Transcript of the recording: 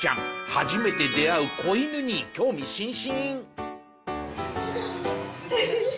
初めて出会う子犬に興味津々。